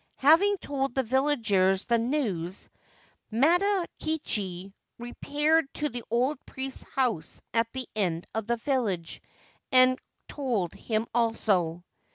Having told the villagers the news, Matakichi repaired to the old priest's house at the end of the village, and told him also.